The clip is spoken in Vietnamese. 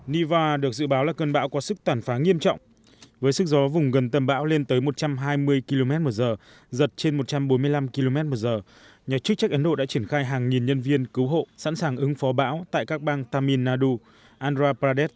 niva được dự báo là cơn bão có sức tàn phá nghiêm trọng với sức gió vùng gần tầm bão lên tới một trăm hai mươi km một giờ giật trên một trăm bốn mươi năm km một giờ nhà chức trách ấn độ đã triển khai hàng nghìn nhân viên cứu hộ sẵn sàng ứng phó bão tại các bang tamil nadu andhra pradesh kuala lumpur và kuala lumpur